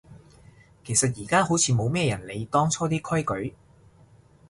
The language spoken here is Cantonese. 其實而家好似冇咩人理當初啲規矩